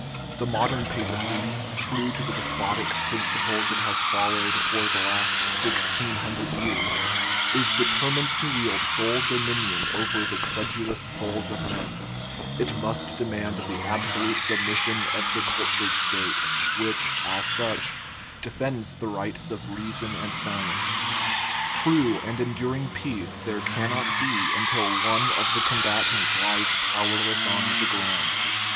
The modern papacy, true to the des potic principles it has followed for the last sixteen hun dred years, is determined to wield sole dominion over the credulous souls of men; it must demand the absolute submission of the cultured State, which, as such, de fends the rights of reason and science. True and en during peace there cannot be until one of the comba tants lies powerless on the ground.